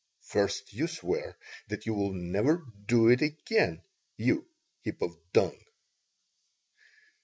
"First you swear that you'll never do it again, you heap of dung."